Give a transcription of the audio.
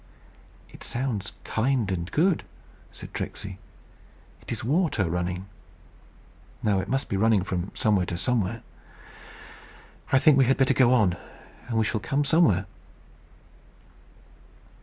"It sounds kind and good," said Tricksey. "It is water running. Now it must be running from somewhere to somewhere. I think we had better go on, and we shall come somewhere."